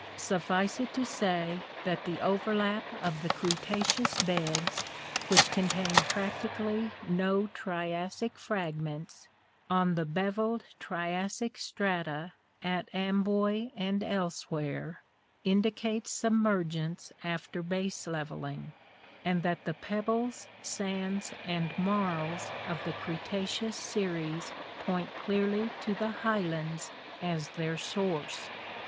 Suffice it to say that the overlap of the Cretaceous beds (which contain practically no Triassic fragments) on the bevelled Triassic strata at Amboy and elsewhere indicates submergence after base levelling; and that the pebbles, sands and marls of the Cretaceous series point clearly to the Highlands as their source.